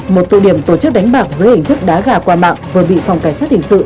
một tụ điểm tổ chức đánh bạc dưới hình thức đá gà qua mạng vừa bị phòng cảnh sát hình sự